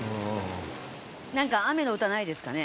なんか雨の歌ないですかね？